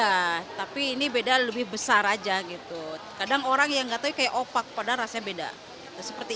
ya tapi ini beda lebih besar aja gitu kadang orang yang nggak tahu kayak opak padahal rasanya beda seperti